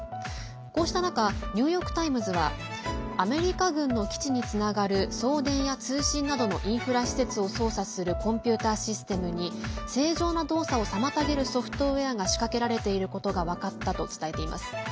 こうした中ニューヨーク・タイムズはアメリカ軍の基地につながる送電や通信などのインフラ施設を操作するコンピューターシステムに正常な動作を妨げるソフトウエアが仕掛けられていることが分かったと伝えています。